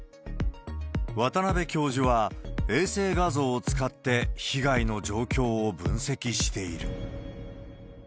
渡邉教授は、衛星画像を使って被害の状況を分析している。